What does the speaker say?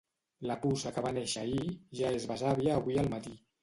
La puça que va néixer ahir ja és besàvia avui al matí.